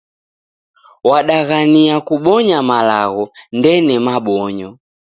Wadaghania kubonya malagho, ndene mabonyo